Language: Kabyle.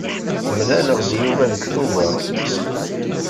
Mlaleɣ-d d Yuba deg tuber.